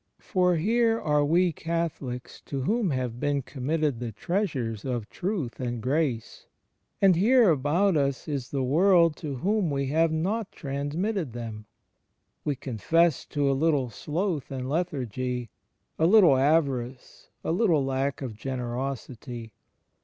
For here are we Catholics to whom have been com mitted the treasures of truth and grace; and here about us is the world to whom we have not transmitted them. We confess to a little sloth and lethargy, a little avarice, a little lack of generosity.